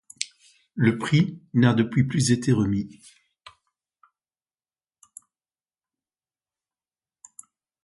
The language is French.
Le Prix n'a depuis plus été remis.